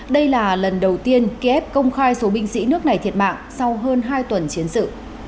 đây là lần đầu tiên kiev công khai số binh sĩ nước này thiệt mạng sau hơn hai tuần chiến sự